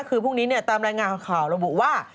คือพรุ่งนี้ตามรายงานข่าวระบุว่า